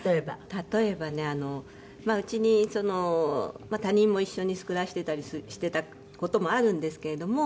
例えばねうちに他人も一緒に暮らしていたりしてた事もあるんですけれども。